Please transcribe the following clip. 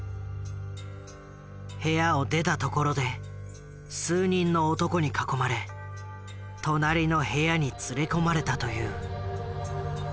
部屋を出たところで数人の男に囲まれ隣の部屋に連れ込まれたという。